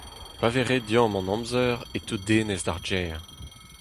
Pa vez re domm an amzer e teu Denez d'ar gêr.